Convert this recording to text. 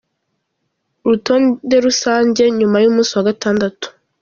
Urutonde rusang nyuma y’umunsi wa gatandatu.